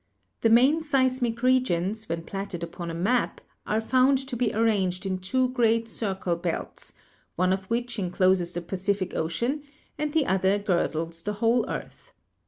The main seismic regions, when platted upon a map, are found to be ar ranged in two great circle belts, one of which encloses the Pacific Ocean and the other girdles the whole earth.